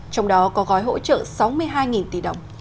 trong đó có gói hỗ trợ sáu mươi hai tỷ đồng